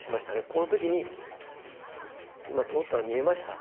この時に今通ったの見えました？